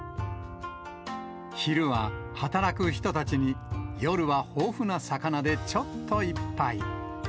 昼は働く人たちに、夜は豊富な魚でちょっと一杯。